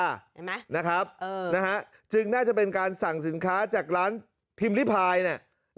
เห็นไหมนะครับจึงน่าจะเป็นการสั่งสินค้าจากร้านพิมพ์ริพายเนี่ย